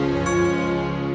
sampai jumpa lagi